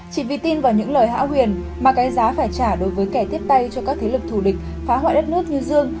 chỉ vì tin vào những lời hảo huyền mà cái giá phải trả đối với kẻ tiếp tay cho các thế lực thù địch phá hoại đất nước như dương